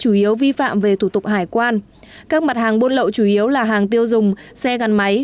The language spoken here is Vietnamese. chủ yếu vi phạm về thủ tục hải quan các mặt hàng buôn lậu chủ yếu là hàng tiêu dùng xe gắn máy